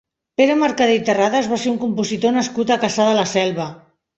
Pere Mercader i Terrades va ser un compositor nascut a Cassà de la Selva.